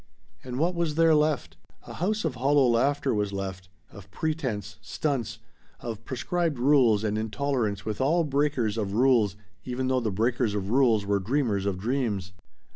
And what was there left? A house of hollow laughter was left of pretense "stunts" of prescribed rules and intolerance with all breakers of rules even though the breakers of rules were dreamers of dreams.